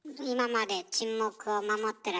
今まで沈黙を守っ